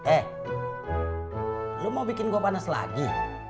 eh lu mau bikin gua panas lagi